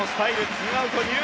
ツーアウト２塁。